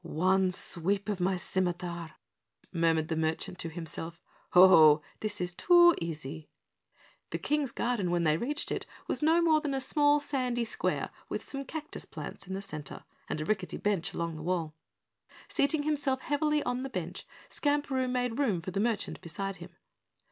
"One sweep of my scimiter," murmured the merchant to himself. "Ho, ho! This is too easy!" The King's garden when they reached it was no more than a small sandy square with some cactus plants in the center and a rickety bench against the wall. Seating himself heavily on the bench, Skamperoo made room for the merchant beside him.